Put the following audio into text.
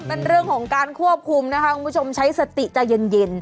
เป็นเรื่องของการควบคุมนะคะคุณผู้ชมใช้สติใจเย็น